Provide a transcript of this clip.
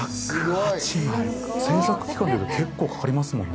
制作期間は結構かかりますよね。